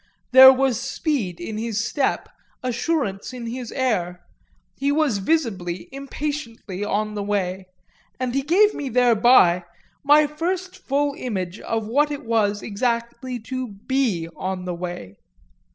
There was speed in his step, assurance in his air, he was visibly, impatiently on the way; and he gave me thereby my first full image of what it was exactly to be on the way.